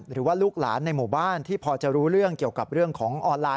หรือว่าลูกหลานในหมู่บ้านที่พอจะรู้เรื่องเกี่ยวกับเรื่องของออนไลน์